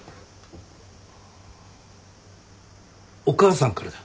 お母さんからだ。